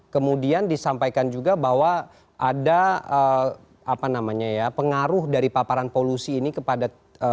kemudian disampaikan juga bahwa ada apa namanya ya pengaruh dari paparan polusi ini kepada